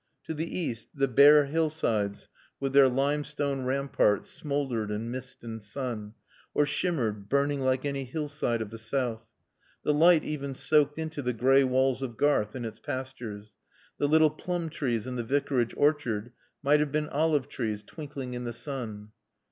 To the east the bare hillsides with their limestone ramparts smouldered in mist and sun, or shimmered, burning like any hillside of the south. The light even soaked into the gray walls of Garth in its pastures. The little plum trees in the Vicarage orchard might have been olive trees twinkling in the sun.